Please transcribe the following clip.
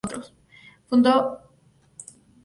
Fundó la Neue Zeitschrift für Allgemeine Musik und Theater.